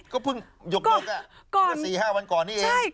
ก็เพิ่งหยกเมื่อ๔๕วันก่อนนี้เอง